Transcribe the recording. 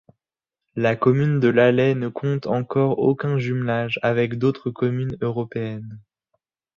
La commune de Lalley ne compte encore aucun jumelage avec d'autres communes européennes.